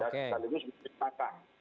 dan selalu disertakan